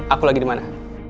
aku lagi di mana